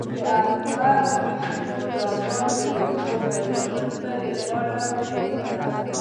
د احمد ډېر پور راباندې وو خو په یوه پسه يې غاړه وېسته.